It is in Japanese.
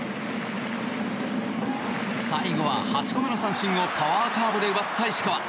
最後は８個目の三振をパワーカーブで奪った石川。